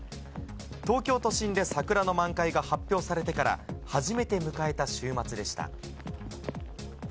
東京都心で桜の満開が発表されてから初めて迎えた週末でした。